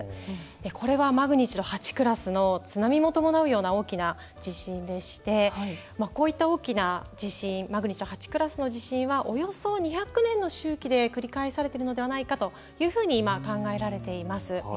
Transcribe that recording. これはマグニチュード８クラスの津波も伴うような大きな地震でしてこういった大きな地震マグニチュード８クラスの地震はおよそ２００年の周期で繰り返されるのではないかというふうに今、考えられています。